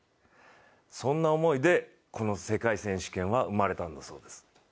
そんな思いで、この世界選手権は生まれたんだそうです。